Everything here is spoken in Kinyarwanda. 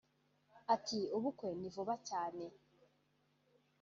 Ati “Ubukwe ni vuba cyane